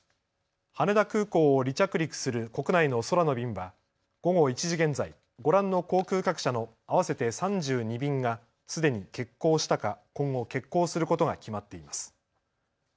羽田空港を離着陸する国内の空の便は午後１時現在、ご覧の航空各社の合わせて３２便がすでに欠航したか今後、欠航することが決まっています。